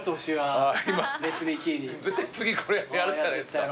絶対次これやるじゃないですか。